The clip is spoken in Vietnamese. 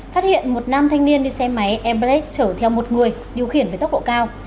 phát hiện một nam thanh niên đi xe máy embrade chở theo một người điều khiển với tốc độ cao